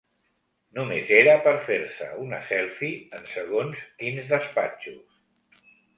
Només era per fer-se una selfie en segons quins despatxos.